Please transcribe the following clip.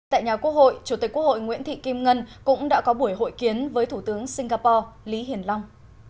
tại nhà quốc hội chủ tịch quốc hội nguyễn thị kim ngân cũng đã có buổi hội kiến với thủ tướng singapore lý hiển long